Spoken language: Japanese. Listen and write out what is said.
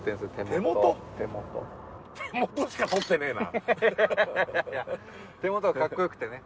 手元しか撮ってねえな。